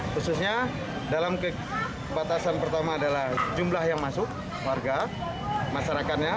khususnya dalam kebatasan pertama adalah jumlah yang masuk warga masyarakatnya